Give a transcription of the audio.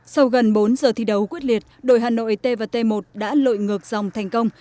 sau gần bốn giờ thi đấu quyết liệt đội hà nội t và t một đã lội ngược dòng thành công